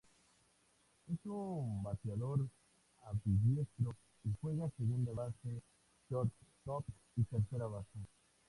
Es un bateador ambidiestro y juega segunda base, shortstop y tercera base.